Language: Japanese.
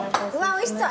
おいしそう。